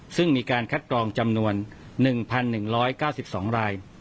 ซึ่งมีการคัดกรองจำนวน๑๑๙๒ราย